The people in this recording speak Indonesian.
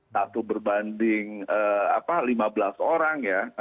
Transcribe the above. satu berbanding lima belas orang ya